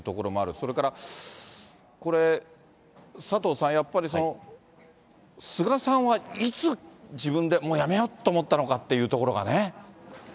それからこれ、佐藤さん、やっぱり菅さんはいつ、自分でもう辞めようと思ったのかというところがね。